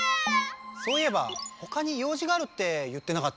そういえばほかに用じがあるって言ってなかった？